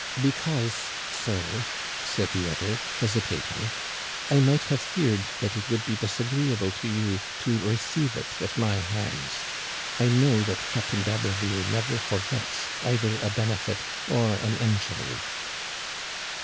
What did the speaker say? Because, sir," said the other, hesitating, " I might have feared that it would be disagreeable to you to re ceive it at my hands. I know that Captain d'Haberville never forgets either a benefit or an injury."